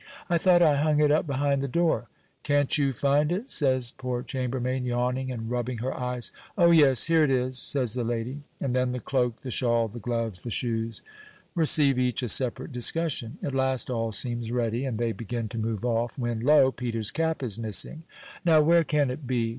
"I thought I hung it up behind the door." "Can't you find it?" says poor chambermaid, yawning and rubbing her eyes. "O, yes, here it is," says the lady; and then the cloak, the shawl, the gloves, the shoes, receive each a separate discussion. At last all seems ready, and they begin to move off, when, lo! Peter's cap is missing. "Now, where can it be?"